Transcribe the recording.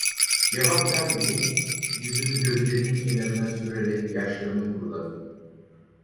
Cevap vermedim, yüzümü gözlerinin kenarına sürerek yaşlarını kuruladım.